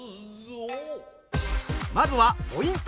まずはポイント